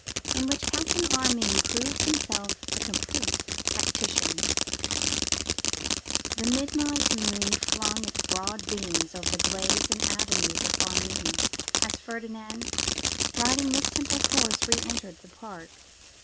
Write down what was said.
In Which Captain Armine Proves Himself a Complete Tactician. THE midnight moon flung its broad beams over the glades and avenues of Armine, as Ferdinand, riding Miss Temple's horse, re entered the park.